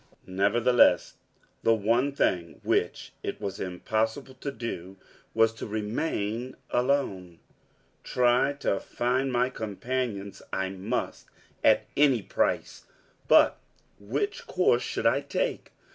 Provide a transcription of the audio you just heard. Nevertheless, the one thing which it was impossible to do was to remain alone. Try to find my companions I must, at any price. But which course should I take?